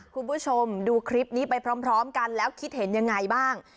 คุณผู้ชมดูคลิปนี้ไปพร้อมกันแล้วคิดเห็นยังไงบ้าง